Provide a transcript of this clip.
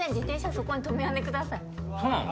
そこに止めやんでくださいそうなの？